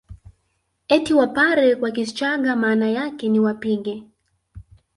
Eti Wapare kwa Kichagga maana yake ni wapige